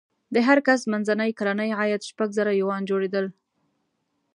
د هر کس منځنی کلنی عاید شپږ زره یوان جوړېدل.